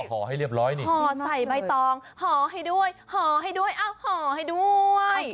ห่อให้เรียบร้อยนี่ห่อใส่ใบตองห่อให้ด้วยห่อให้ด้วยเอ้าห่อให้ด้วย